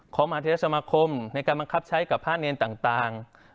มหาเทศสมาคมในการบังคับใช้กับพระเนรต่าง